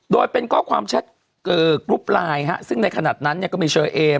โดยเป็นก้อความแชทกรุ๊ปไลน์ซึ่งในขณะนั้นก็มีเชอร์เอม